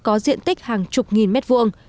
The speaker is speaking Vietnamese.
có diện tích hàng chục nghìn mét vuộng